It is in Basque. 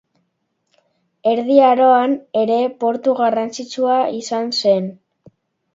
Erdi Aroan ere portu garrantzitsua izan zen.